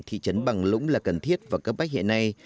thị trấn bằng lũng là cần thiết và cấp bách hiện nay